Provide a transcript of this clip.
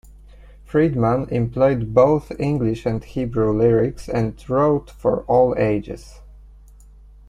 Friedman employed both English and Hebrew lyrics and wrote for all ages.